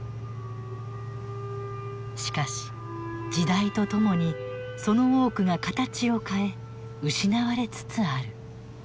しかし時代とともにその多くが形を変え失われつつある。